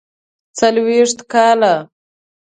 څلوېښت کاله.